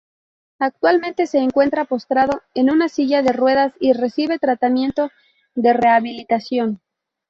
Actualmente se encuentra postrado en una silla de ruedas y recibe tratamiento de rehabilitación.